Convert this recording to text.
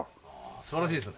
素晴らしいです。